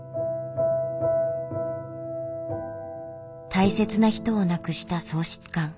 大切な人を亡くした喪失感。